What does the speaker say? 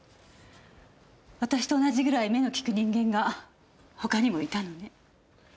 私と同じぐらい目の利く人間が他にもいたのね。